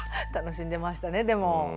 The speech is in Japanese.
楽しんでましたねでも。